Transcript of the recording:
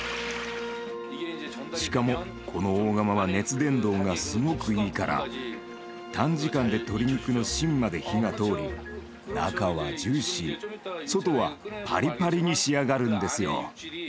しかもこの大釜は熱伝導がすごくいいから短時間で鶏肉の芯まで火が通り中はジューシー外はパリパリに仕上がるんですよ。